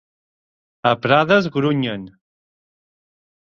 A Prades, grunyen.